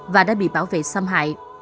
và đã bị bảo vệ xâm hại